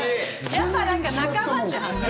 やっぱ仲間じゃん！